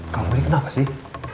kamu ini kenapa sih